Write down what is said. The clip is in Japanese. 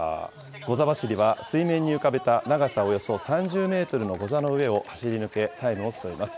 ゴザ走りは、水面に浮かべた長さおよそ３０メートルのゴザの上を走り抜け、タイムを競います。